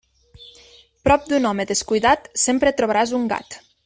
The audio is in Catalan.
Prop d'un home descuidat, sempre trobaràs un gat.